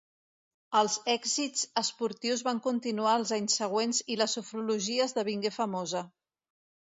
Els èxits esportius van continuar els anys següents i la sofrologia esdevingué famosa.